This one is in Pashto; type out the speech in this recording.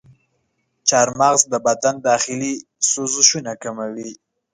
چارمغز د بدن داخلي سوزشونه کموي.